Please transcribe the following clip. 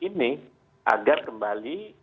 ini agar kembali